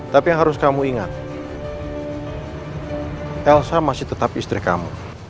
tapi yang harus kamu ingat elsa masih tetap istri kamu